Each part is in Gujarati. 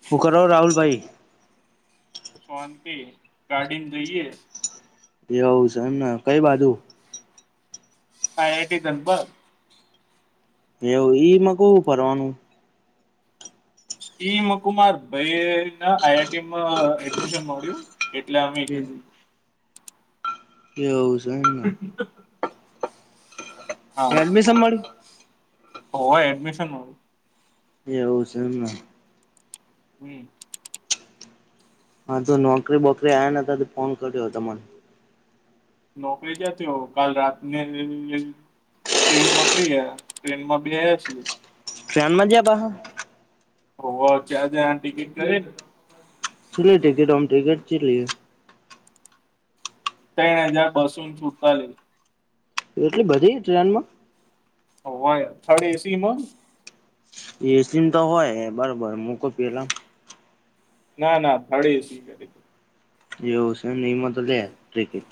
છે હું કરો રાહુલભાઈ? શાંતિ ગાડી ન જઈએ એવુ છે, એમને કઈ બાજુ આયા ડી લગભગ. એવું ઈમાં કવું ફરવાનું ઈમ કુમાર ભાઈ આઈઆઈટીમાં એડમિશન મળ્યું એટલે અમે [unintelligible] એવું છે, ને હલ્મી સંભાળ્યું હા એડમિશન વાળું એવું છે એમને હમ હા તો નોકરી બોકરી આવ્યા ન હતા તો ફોન કર્યો તને નોકરી જતી હો કાલ રાતને [unintelligible] ટ્રેન પકડી ગયા ટ્રેન માં બેહા છે ટ્રેન મા બેઠા હે [unintelligible] [unintelligible] ત્રણ હજાર પારસેટ રૂપે એટલી બધી ટ્રેન માં [unintelligible] થડ એસીમાં એસીમ તો હોય બરોબર મકો પેલા ના ના ભાડી સ્વીકાર એવું છે એમ એમાં તો લેય ટીકીટ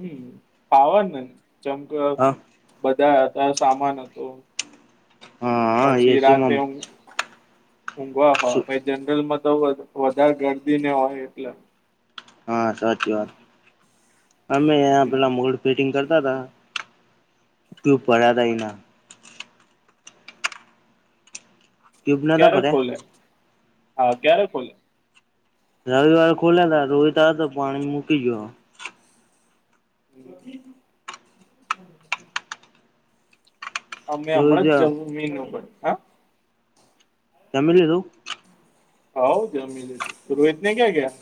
હમ ફાવર ને ચમક હા બધા હતા સામાન હતું હા હા પછી રાતે એસીમાં આમ ઊંઘવા શું હા જનરલમાં તો વધારે ગર્દી ને હોય એટલે હા સાચી વાત અમે હમ પેલા મોડ ફિટિંગ કરતા હતા તે પેલા તયના ક્યુબ નતા ક્યારે ભર્યા ખોલે હા ક્યારે ખોલે રવિવાર ખોલ્યા તા રોઈતા તો પાણી મૂકી ગયો [inaudible] અમે રોહિત હમણાં જવું મીન હતો હા કેમરી રૂ [inaudible] રોજને ક્યાં ગયા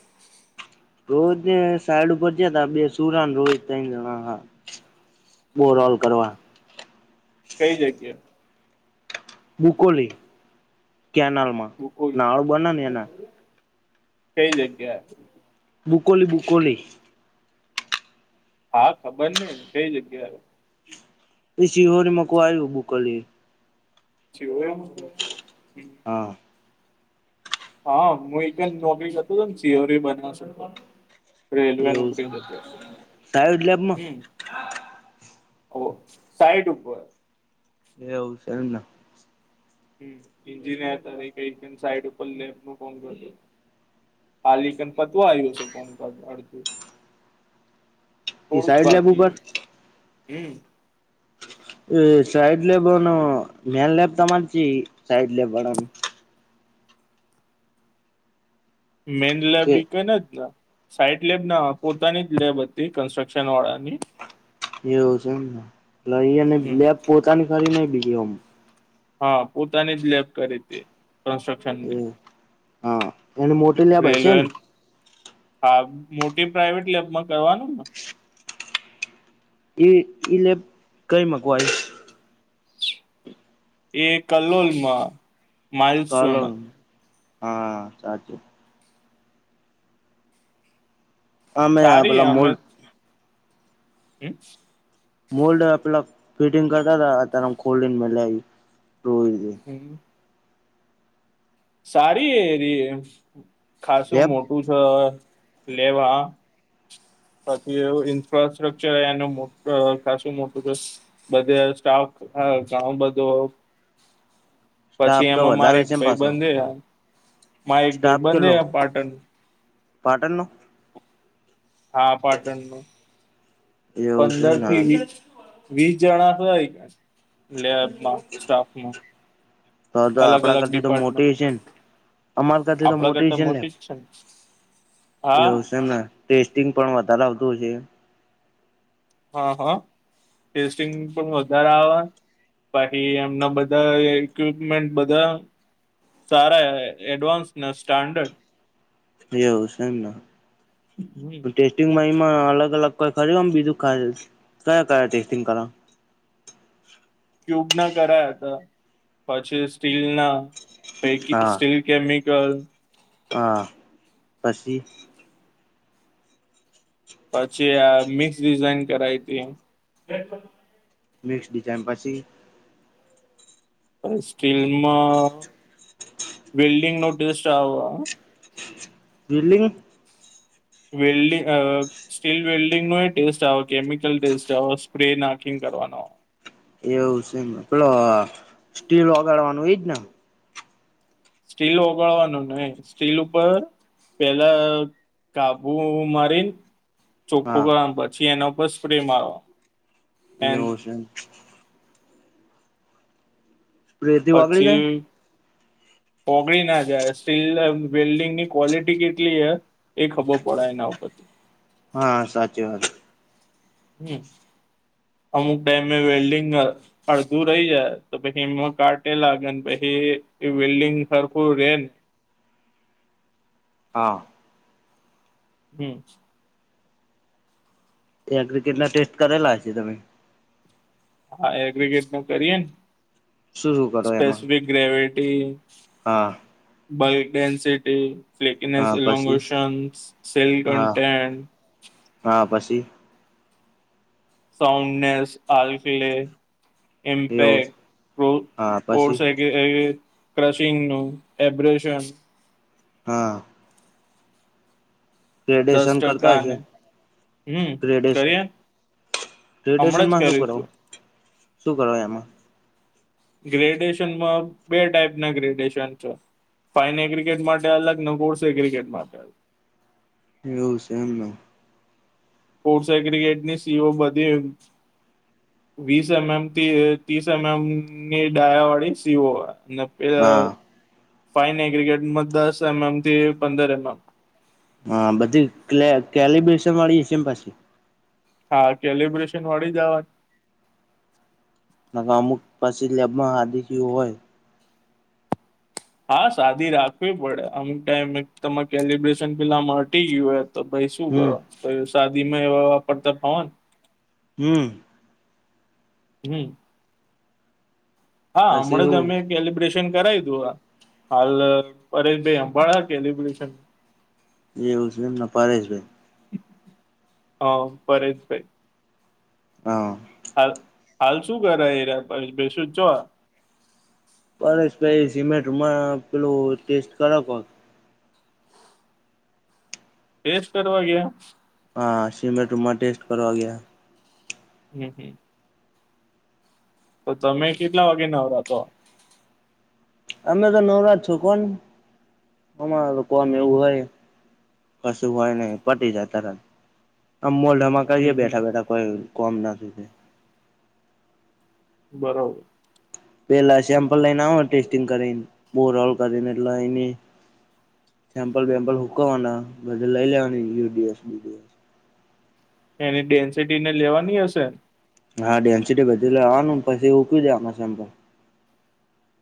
રોહિત ને સાઈડ ઉપર જયાતા બે સુરાને રોહિત હા. બોર ઓલ કરવા. કઈ જગ્યા બુકોલી કેનાલ માં મુકુળી કઈ જગ્યાએ બૂકુલી બુકુલી હા ખબર ની કઈ જગ્યાએ પશિહોને મક આવી બુકલી. જી હો [unintelligible] હા હા હું એક જ નોકરી કરતો હતોમ સીઓરી બનાવશ. રેલવે નો એવું છે બ્રિજ હતો હતો સાઈડ લેબમાં હમ. ઓ સાઈડ ઉપર એવુ છે એમના એન્જિનર [inaudible] કઈ સાઈડ ઉપર [inaudible] [unintelligible] એ થોડું ક સાઈડ લેબ બાકી ઉપર હે હમ. એ સાઈડ લેબવાનો મેન લેબ તમારી છે સાઈડ લેવાનો. મેડલા કે બી કોઈને જ સાઈટ લેબ ના પોતાની જ લેબ હતી કન્સ્ટ્રક્શન વાળાની એવું છે ને પલે અને હમ લબ પોતાની ખરી ન બીજમ હા પોતાની જ લેબ કરી હતી [unintelligible] એવુ હા એને મો રેલવે હા મોટી પ્રાાઈવેટ લેબમાં કરવાનું ને. ઈ ઈ લેપ કઈ મકવાય એ કલોલ માં. ચલો હા સાચું. અમે સારી આપેલા મૂલક. હમ. મોલ્ડ આપલા ફિટિંગ કરતા્યારે ખલ્ડ ઇન મે. હમ. સારી એ ખાસું લેબ મોટું છે લેવા. બાકી એવ ઇન્ફ્રાસ્ટ્રક્ચર એનું કાસું મોટું કે. બધે સ્ટાફ હ ઘાવો બધું. [inaudible] પછી તો એમાં મારે વધારે એક છે ને ભાઈ પાછો બંધયા મા એક ભાઈ બંધેયા પાટણ. પાટનનું. હા પાટણ નું એવું છે એમને પંદરથી વીસ વીસ જણા થાય લેબમાં સ્ટાફમાં. તો તો અલગ આપણા અલગ કરતી તો ડિપાર્ટમેન્ટ મોટી છે ને. અમાર કર તો આપડા મોટી છે કરતા લે જ ને હા એવું છેમ. ટેસ્ટિંગ પણ વધારે આવતોું છે. હા હા ટેસ્ટિંગ પણ વધારે આવે. બાછી એમના બધા ઈક્વિપમેન્ટ બધા. સારા એડવાન્સને સ્ટાન્ડર્ડ. એવું હમ છે એમને. માં અલગ અલગ કોઈ ખરી બીજું ખ કયા કર ટેસ્ટિંગ કરો. ક્યુબ ના કરાયા હતા પછી સ્ટીલ ના પૈકી હા સ્ટીલ કેમિકલ. હા પછી. પછી આ મિક્સ ડિઝઇન કરાઈ હતી એમ. મિક્સ ડિઝાઇન પછી. સ્ટીલમાં વેલ્ડિંગ નો ટેસ્ટ આવે. બિલ્ડિંગ વેલ્લી અ સ્ટીલ વેલ્ડિંગ નો એ ટેસ્ટ આવે કેમિકલ ટેસ્ટ આવે સ્પ્રે નાખિંગ કરવાનો. એવું છેમ પેલો સ્ટીલ વગાડવાનું ઈજ ને. સ્ટીલ ઓગાળવાનું ને સ્ટીલ ઉપર. પેલા કાબુ મારીને. ચોખ્ખું હા કરવા પછી એના ઉપ સ્પ્રે મારવાનો. એવું છે. સ્પ્રેથી ઓગળી જાય પછી. પોગળી ના જાય સ્ટીલ વેલ્ડિંગ ની ક્વોલિટી કેટલી હ. એ ખબર પડાય ના ઉપરથી. હા સાચી વાત. હમ અમુક ડેમે વેલ્ડિંગ અડધું રહી જાય તો પછી એમાં કાટે લાગે ને પછી એ વિલ્ડિંગ ખરખું રે. હા. હમ. ત્યાં ક્રિકેટના ટેસ્ટ કરેલા છે તમે. હા એગ્રગેટ ન કરીએ ને શું શું કરો એમાં સ્પેસિફિક ગ્રેવિટી. હા. બલ્ક ડેન્સિટી ફ્લેકીનેસ હા પછી એલોંગોશન સેલ હા કન્ટેન્ટ. હા પછી સાઉન્ડનેસ, આલ્કલે, એવું ઈમ્પેક્ટ કો હા કોર પછી સેટ એ ક્રશિંગનું એબ્રેશન હા. દસ ગ્રેડેસન કરતા ટકા હશે ને હમ ગ્રેડેસન? કરીએ હમણાં જ ગ્રેડેશનમાં શું કર્યું કરું? તું શું કર એમાં? ગ્રેડેશનમાં બે ટાઈપના ગ્રેડેશન છે. ફાઈન એગ્રીકેટ માટે અલગને કોર્સ એગ્રીકેટ માટે અલગ એવું છે એમ ને સ્પોર્ટ્સ એગ્રીકેટની સીઈઓ બધી એમ વીસ એમ એમ થી ત્રીસ એમ એમ ની ડાયા વાળી સીઈઓ ને એ ય હા ફાઈન એગ્રીકેટમાં દસ એમ એમ થી પંદર એમ એમ હા બધી ક્લે કેલીબેસનવાળી છે એન પાસે હા, કેલબ્રેશનવાળી જ આવેન ન તા અમુક પછી લેબમાં આદિકી હોય હા સાદી રાખવી પડે અમુક ટાઈમ તમારે કેલિબ્રેશન પેલા મટી ગયું તો ભાઈ શું હમ કરો તો સાદીમાં એ વાપરતા ફાવન હમ્મ. હમ્મ. હા, પછી હમણાં જ હું અમે કેલિબ્રેશન કરાવીયુ તું આ હાલ, અરે ભાઈ હાંબાડ્યા કેલિબ્રેશન એવુ છે એમ ના પારેશ ભાઈ હા, [unintelligible] હા હાલ શું કરે એ રયા પારેશભાઈ [unintelligible] પરેશભાઈ સિમેન્ટમાં પેલું ટેસ્ટ કરે કોન ટેસ્ટ કરવા ગયા? હા, સિમેન્ટમાં ટેસ્ટ કરવા ગયા. હમ, હમ. તો તમે કેટલા વાગે નવરા થ્યો? અમે તો નવરાત છું કો ન, અમાર લોકો ને એવું હમ હોય કશું હોય નહી પતી જાય તરત આમ મોલઢામા હમ [unintelligible] હમ બેઠા બેઠા કોઈ કોમ નથી તે બરોબર. પેલા સેમ્પલ લઈને આવો ટેસ્ટિંગ કરીને બોરલ કરીને એટલે એની સેમ્પલ વેમ્પલ હૂકવાના બધે લઈ લેવાની યુડીએફ પીડીફ. એની ડેન્સિટીને લેવાની હશે? હા, ડેન્સિટી બધું લેવાનું પછી હુકવી દેવ આમાં સેમ્પલ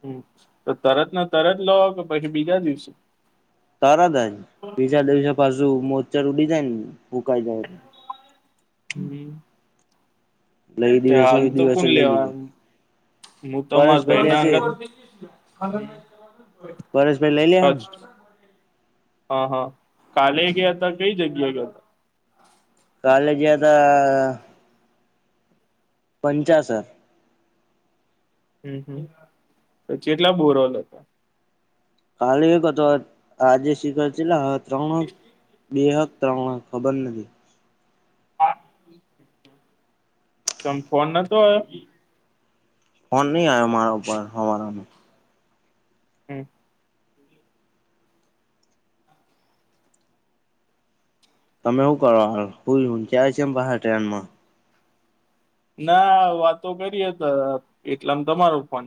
હમ્મ તો તરત ના તરત લો કે પછી બીજા દિવસે? તરત જ. બીજા દિવસે પાછું મોચ્ચર ઉડી જાય ને હૂંકાઈ જાય એટલે. હમ્મ. એ અત્યાર દિવસે હાલ એ તો દિવસે કોણ લઈ લીએ લેવાન? મુ તો માર પરેશભાઈ લે ભાઈના છે હંગત પરેશ ભઈ લઈ લેવાં ના. અ હ કાલે ગયાતા, કઈ જગ્યાએ ગ્યાતા? કાલે ગ્યાતા પંચાસર. અમ હમ્મ પછી કેટલા બોરોલ હતા? કાલે એક હતો આ આજે શિખબર જેટલા હત ત્રણ બે હ ત્રણ હ ખબર નથી. હા. મ ફોન નતો ફન ન હ અમારારમા. હમ. તમે શું કરવા હાલ હું જાય છે એમ પા ટ્રેનમાં. ના વાતો કરી તો એટલામ તમારો ફન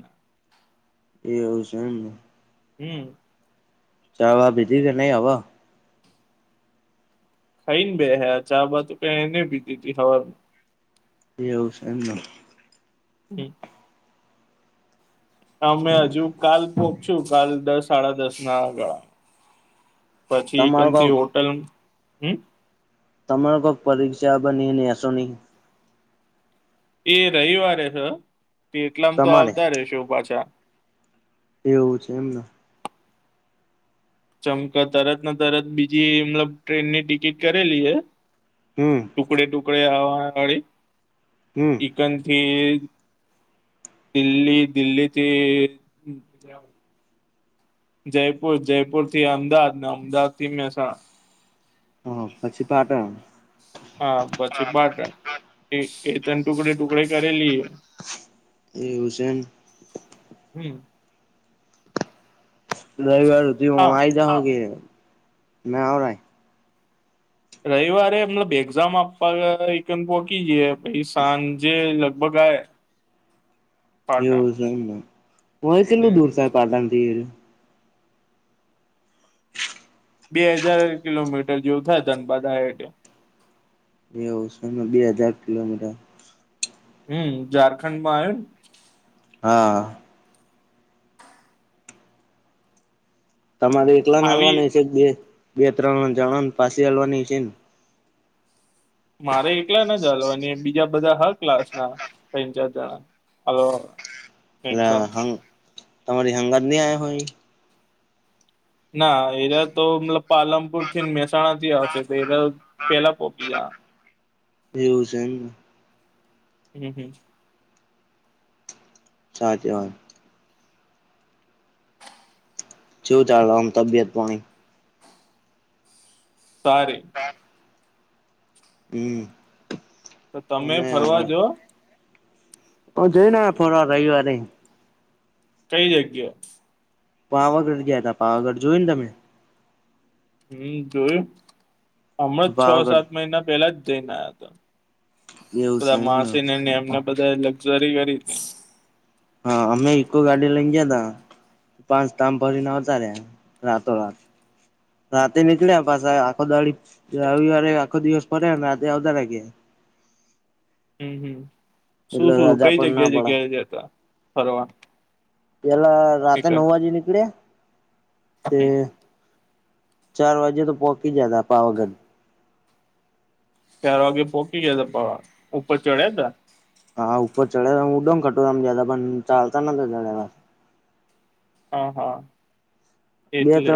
એ આવવ છે એમને. હમ. ચારવા બીધી કે નહી હ. ખાઈ ને બે હ ચા બાજુ ક એને ભીધીધીવા. એવું છે એમમ. હમ. અમે હજુ કાલ પોખશું કાલ દસ સાડા દસ ના ગાળા પછી તમાર કેમ કોક હોટલ હમ. તમારો કોઈ પરીક્ષા બનીનેસો નહીં, એ રવિવારે છે તે એટલામ તો તમારે આવતા રશે પાછા. એવું છે એમને. ચમક તરત તરત બીજી મતલબ ટ્રેનની ટિકિટ કરેલી હ. હમ. ટુકડે ટુકડેવાળે. હમ. એકન થી દિલ્હી દિલ્હીથી, હ પજા આવ. જયપુર જયપુરથી અમદાવાદ ને અમદાવાદ થી મે હ પછી પાટે હા બસી બાત. એ તન ટુકડે ટુકડે કરેલી એ. એ હસન. હમ. રવિ વાર ર હા આઈ જ કે મેં આવ. રવિવારે મતલબ એક્ઝામ આપવા એક પોહકી જઈે પાઈ સાંજે લગભગ આવે. એવું છે એમ હોય કેટલું હમ દૂર હમ થાય પાટણ થી? બે હજાર કિલોમીટર જેવું થાય ધનબાદ આ. એવ બે હજાર કિલોમીટર. હમ ઝારખંડ માં આવ. હા. તમારે એલા ને હાલવાની છે બે બે ત્રણ જણા ને પાછ હાલવાની છે ને. મારે એકલા ના ચાલવાની બીજા બધા હર ક્લાસ ના ત ચાર જણા હ. એ હ તમારી હંગાત નહી આ હોય. ના એરા તો મતલબ પાલનપુર થી મહેસાણા થી આવશે તો એરા પેલા પોપી જ એ્યુંઝન હમ હમ. ચ જવા. શું ચાલ આમ તબિયત પણણી. સાર. હમ. તો તમે અમે ફરવાજો. હ જોઈ ના ફોરા રવારે. કઈ જગ્યા. પાવાગઢ ગયાતા પાવાગઢ જોયું ને તમે? હમ જોયું ન. હમણાં છ પાવાગઢ સાત મહિના પેલા જ જઈને આયા તા. એવું છે બધા એમ ને માસીને એમને બધાએ લક્ઝરી કરીતી. હા અમે ઇકો ગાડી લઈને ગયાતા. પાંચ ધામ ફરીને આવતા રયા રાતોરાત. રાતે નીકળ્યા પાસે આખો દાડી રવિવારે આખો દિવસ ફર્યાને રાતેે આવતા રયા ઘેર. હમ હમ શું એટલે શું રજા કઈ પણ ના જગ્યા પડે જગ્યાએ જયાતા ફરવા? પેલા રાતે એક જ નવ વાજે નીકળ્યા તે ચાર વાગે તો પોકી ગયાતા પાવાગઢ. ચાર વાગે પોકી ગયાતા પાવા ઉપર ચડ્યા તા? હા ઉપર ચડ્યા તા ઉડોમ ખટોલામાં જ્યાતા પણ ચાલતા નતા ચડેલા. હા હા બે ત્રણ એટલે